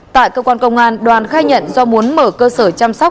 tại cơ quan công an đoàn khai nhận do muốn mở cơ sở